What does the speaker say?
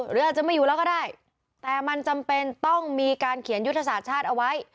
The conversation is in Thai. หรืออาจจะไม่อยู่แล้วก็ได้แต่มันจำเป็นต้องมีการเขียนยุทธศาสตร์ชาติเอาไว้